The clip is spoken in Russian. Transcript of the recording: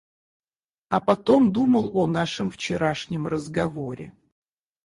А потом думал о нашем вчерашнем разговоре.